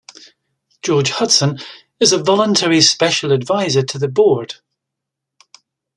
George Hudson is a voluntary special advisor to the Board.